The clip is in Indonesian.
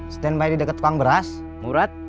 stand by di deket tukang sayur